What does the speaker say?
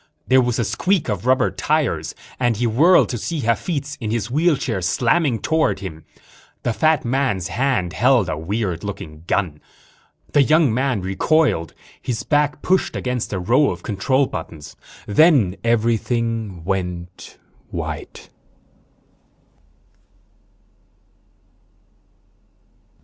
There was a squeak of rubber tires and he whirled to see Hafitz, in his wheelchair, slamming toward him. The fat man's hand held a weird looking gun. The young man recoiled. His back pushed against a row of control buttons. _Then everything went white.